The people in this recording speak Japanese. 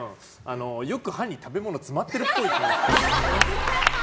よく歯に食べ物詰まってるっぽい。